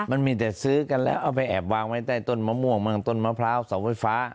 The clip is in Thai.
มันมีแต่ซื้อกันแล้วเอาไปแอบวางไว้ใต้ต้นมะม่วงเมืองต้นมะพร้าวเสาไฟฟ้า